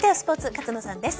勝野さんです。